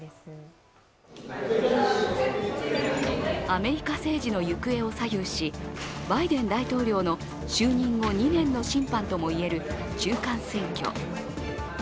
アメリカ政治の行方を左右し、バイデン大統領の就任後２年の審判ともいえる中間選挙。